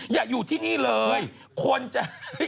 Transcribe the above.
อย่าอยู่ที่นี่เลยควรจะ